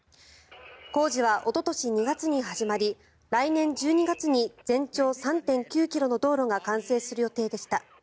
工事はおととし２月に始まり来年１２月に全長３．９ｋｍの道路が完成する予定でした。